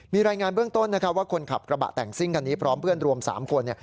มีรายงานเบื้องต้นว่าคนขับกระบะแต่งซิ่งคันนี้พร้อมเพื่อนรวม๓คน